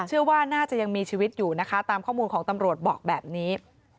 เชื่อว่าน่าจะยังมีชีวิตอยู่นะคะตามข้อมูลของตำรวจบอกแบบนี้